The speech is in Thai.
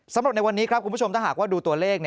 สำหรับในวันนี้ครับคุณผู้ชมถ้าหากว่าดูตัวเลข